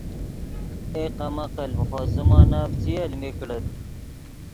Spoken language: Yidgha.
اے کم عقل ڤے خوئے زیمونف چی المی کڑیت